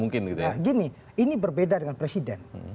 begini ini berbeda dengan presiden